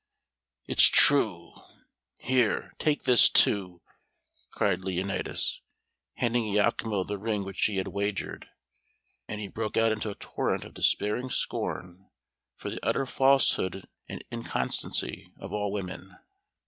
It's true. Here, take this too!" cried Leonatus, handing Iachimo the ring which he had wagered. And he broke out into a torrent of despairing scorn for the utter falsehood and inconstancy of all women.